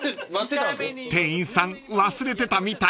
［店員さん忘れてたみたい］